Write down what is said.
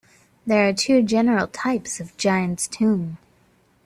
There are two general types of giants' tomb.